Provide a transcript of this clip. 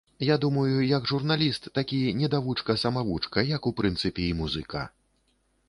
Я думаю, як журналіст, такі недавучка-самавучка, як, у прынцыпе, і музыка.